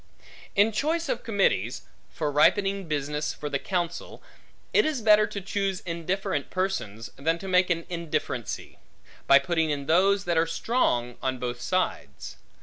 In choice of committees; for ripening business for the counsel, it is better to choose indifferent persons, than to make an indifferency, by putting in those, that are strong on both sides.